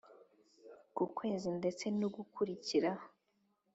ku kwezi ndetse nu gukurikiraho